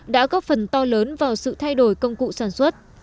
đã góp phần to lớn vào sự thay đổi công cụ sản xuất